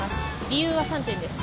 理由は３点です。